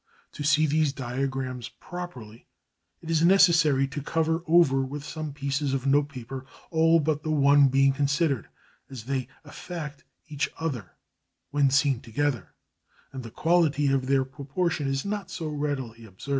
To see these diagrams properly it is necessary to cover over with some pieces of notepaper all but the one being considered, as they affect each other when seen together, and the quality of their proportion is not so readily observed.